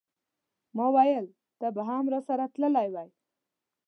ماویل ته به هم راسره تللی وای.